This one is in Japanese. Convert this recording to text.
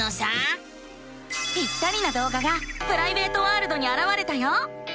ぴったりなどうががプライベートワールドにあらわれたよ。